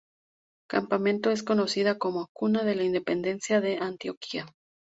Campamento es conocida como "Cuna de la Independencia de Antioquia".